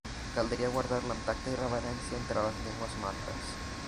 Caldria guardar-la amb tacte i reverència entre les llengües mortes.